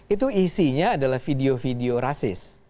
itu isinya adalah video video rasis